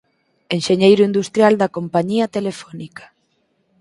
Enxeñeiro industrial da Compañía Telefónica.